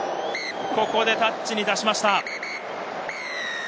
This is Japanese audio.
ここでタッチに出しました。